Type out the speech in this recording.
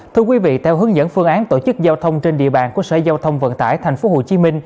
thưa quý vị theo hướng dẫn phương án tổ chức giao thông trên địa bàn của sở giao thông vận tải tp hcm